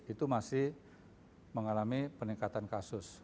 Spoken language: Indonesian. itu masih mengalami peningkatan kasus